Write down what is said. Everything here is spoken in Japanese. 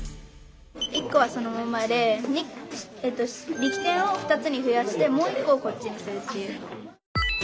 １個はそのままで力点を２つに増やしてもう一個をこっちにするっていう。